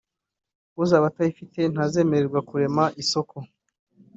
uzaba atayifite ntazemererwa kurema isoko